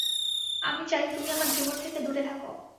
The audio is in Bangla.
আমি চাই তুমি আমার জীবন থেকে দূরে থাক।